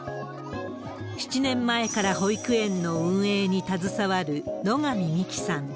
７年前から保育園の運営に携わる野上美希さん。